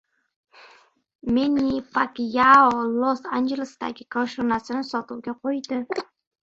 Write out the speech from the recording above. Menni Pakyao Los-Anjelesdagi koshonasini sotuvga qo‘ydi